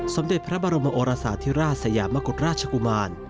สมเด็จพระบรมโอราศาสตร์ที่ราชสยามกุฎราชกุมาร